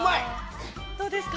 どうですか？